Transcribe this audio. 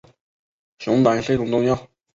熊胆是一种中药。